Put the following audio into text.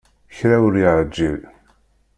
Kra ur yeεǧil.